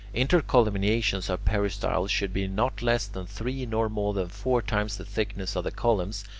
Intercolumniations of peristyles should be not less than three nor more than four times the thickness of the columns.